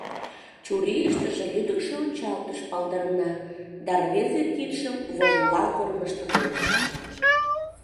Чурийыштыже лӱдыкшӧ ончалтыш палдырна, да рвезе кидшым вожылал кормыжтылеш.